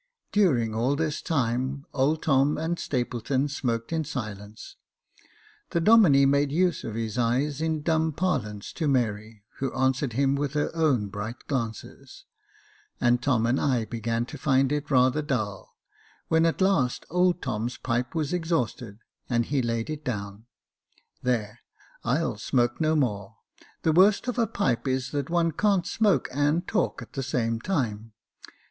During all this time old Tom and Stapleton smoked in silence : the Domine made use of his eyes in dumb parlance to Mary, who answered him with her own bright glances, and Tom and I began to find it rather dull ; when at last old Tom's pipe was exhausted, and he laid it down. " There, I'll smoke no more — the worst of a pipe is that one can't smoke and talk at the same time.